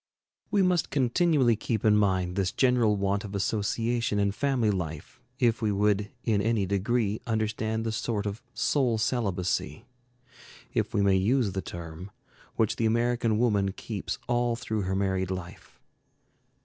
We must continually keep in mind this general want of association in family life if we would in any degree understand the sort of soul celibacy, if we may use the term, which the American woman keeps all through her married life.